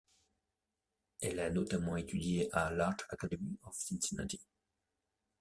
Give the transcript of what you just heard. Elle a notamment étudié à l'Art Academy of Cincinnati.